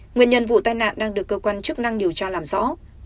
nguyên nhân vụ tai nạn đang được cơ quan chức năng điều tra làm rõ